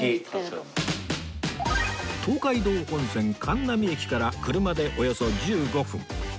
東海道本線函南駅から車でおよそ１５分